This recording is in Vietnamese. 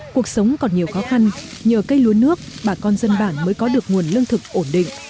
cuộc sống còn nhiều khó khăn nhờ cây lúa nước bà con dân bản mới có được nguồn lương thực ổn định